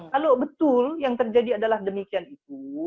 kalau betul yang terjadi adalah demikian itu